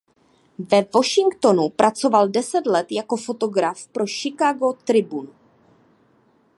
Ve Washingtonu pracoval deset let jako fotograf pro Chicago Tribune.